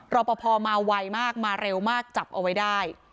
รอปภมาไวมากมาเร็วมากจับเอาไว้ได้